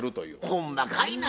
ほんまかいな？